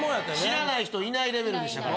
知らない人いないレベルでしたから。